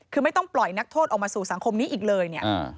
คือไม่ต้องปล่อยนักโทษออกมาสู่สังคมนี้อีกเลยเนี่ย